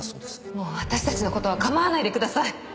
もう私たちの事は構わないでください！